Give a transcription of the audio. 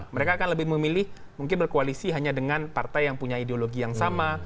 mereka akan lebih memilih mungkin berkoalisi hanya dengan partai yang punya ideologi yang sama